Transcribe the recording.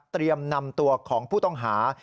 นำตัวของผู้ต้องหา